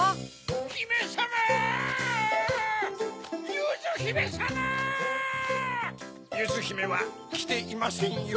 ゆずひめはきていませんよ。